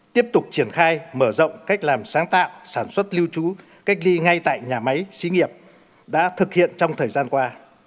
tiếp tục triển khai mở rộng cách làm sáng tạo sản xuất lưu trú cách ly ngay tại nhà máy xí nghiệp đã thực hiện trong thời gian qua